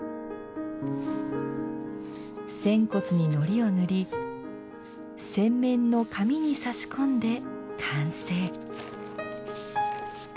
扇骨にのりを塗り扇面の紙に差し込んで完成。